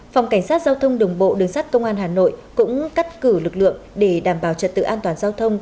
phòng cảnh sát giao thông đường bộ đường sát công an hà nội cũng cắt cử lực lượng để đảm bảo trật tự an toàn giao thông